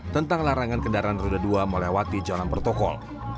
tentang larangan kendaraan roda dua melewati jalan protokol